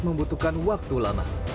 membutuhkan waktu lama